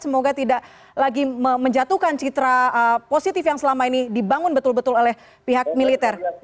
semoga tidak lagi menjatuhkan citra positif yang selama ini dibangun betul betul oleh pihak militer